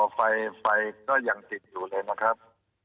ไฟก็ยังติดอยู่เลยนะครับ